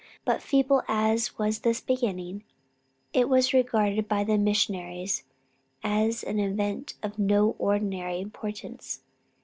But feeble as was this beginning, it was regarded by the missionaries as an event of no ordinary importance.